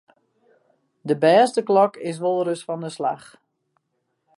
De bêste klok is wolris fan 'e slach.